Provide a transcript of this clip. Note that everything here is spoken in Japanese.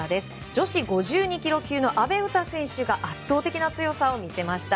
女子５２ｋｇ級の阿部詩選手が圧倒的な強さを見せました。